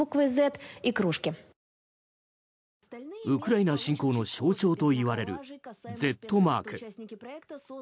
ウクライナ侵攻の象徴といわれるＺマーク。